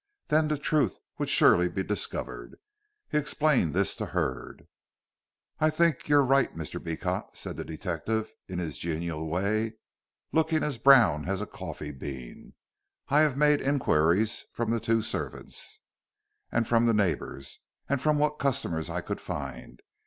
Then the truth would surely be discovered. He explained this to Hurd. "I think you're right, Mr. Beecot," said the detective, in his genial way, and looking as brown as a coffee bean. "I have made inquiries from the two servants, and from the neighbors, and from what customers I could find.